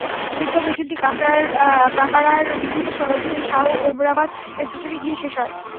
বিক্ষোভ মিছিলটি কাকারার বিভিন্ন সড়ক ঘুরে শাহ ওমরাবাদ স্টেশনে গিয়ে শেষ হয়।